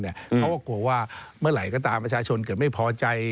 เขาก็กลัวว่าเมื่อไหร่ก็ตามประชาชนเกิดไม่พอใจ